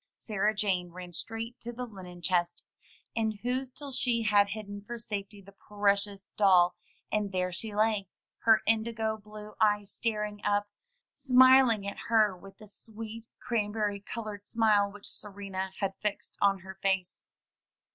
Sarah Jane ran straight to the linen chest, in whose till she had hidden for safety the precious doll, and there she lay, her indigo blue eyes staring up, smiling at her with the sweet cran berry colored smile which Serena had fixed on her face.